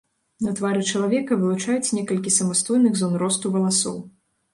На твары чалавека, вылучаюць некалькі самастойных зон росту валасоў.